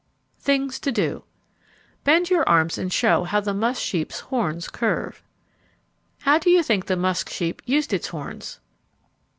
THINGS TO DO Bend your arms to show how the musk sheep's horns curve. _How do you think the musk sheep used its horns?